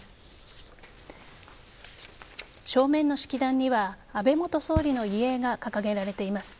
正面の式壇には安倍元総理の遺影が掲げられています。